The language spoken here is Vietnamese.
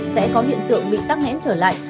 sẽ có hiện tượng bị tắc nghẽn trở lại